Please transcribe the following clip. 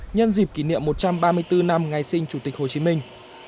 nhân dịp kỷ niệm một trăm ba mươi bốn năm ngày sinh chủ tịch hồ chí minh